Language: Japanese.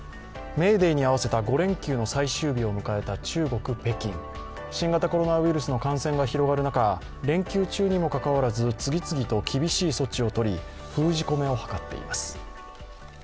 メーデーに合わせた５連休の最終日を迎えた新型コロナウイルスの感染が広がる中、連休にもかかわらず次々と厳しい措置を取り封じ込めを図っています。